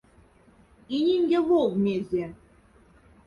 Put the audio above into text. И нинге вов мезе.